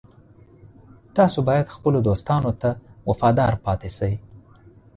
تاسو باید خپلو دوستانو ته وفادار پاتې شئ